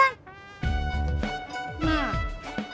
udah sono tuh buruan